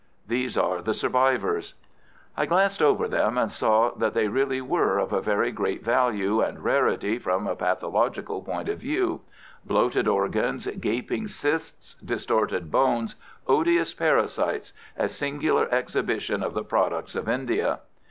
These are the survivors." I glanced over them, and saw that they really were of a very great value and rarity from a pathological point of view: bloated organs, gaping cysts, distorted bones, odious parasites—a singular exhibition of the products of India.